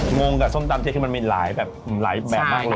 งงกับส้มตำเจ๊คือมันมีหลายแบบหลายแบบมากเลย